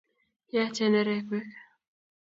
yaachen nerekwek